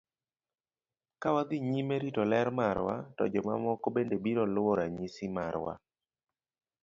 Ka wadhi nyime rito ler marwa, to jomamoko bende biro luwo ranyisi marwa.